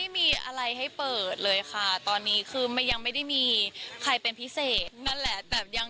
ไม่ได้ค้าว่าเป็นอะไร